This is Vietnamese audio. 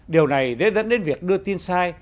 điều này dễ dẫn đến việc đưa tin sai